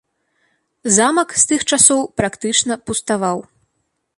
Замак з тых часоў практычна пуставаў.